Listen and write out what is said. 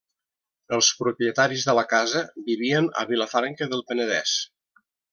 Els propietaris de la casa vivien a Vilafranca del Penedès.